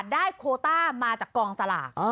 โคต้ามาจากกองสลาก